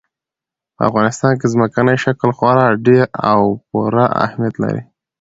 په افغانستان کې ځمکنی شکل خورا ډېر او پوره اهمیت لري.